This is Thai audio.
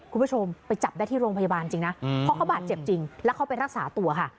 คุณผู้ชมไปจับได้ที่โรงพยาบาลจริงนะเพราะเขาบาดเจ็บจริงแล้วเขาไปรักษาตัวค่ะ